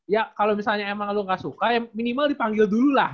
ya kalau misalnya emang lo gak suka ya minimal dipanggil dulu lah